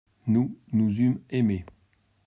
Nous, nous eûmes aimé.